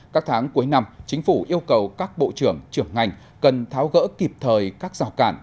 các tháng cuối năm chính phủ yêu cầu các bộ trưởng trưởng ngành cần tháo gỡ kịp thời các rào cản